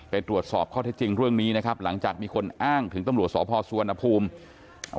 ตรวจสอบข้อเท็จจริงเรื่องนี้นะครับหลังจากมีคนอ้างถึงตำรวจสพสุวรรณภูมิอ่า